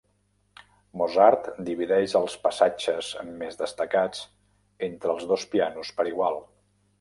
Mozart divideix els passatges més destacats entre els dos pianos per igual.